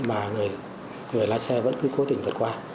mà người lái xe vẫn cứ cố tình vượt qua